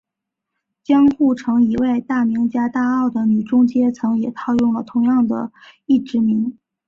江户城以外大名家大奥的女中阶层也套用了同样的役职名。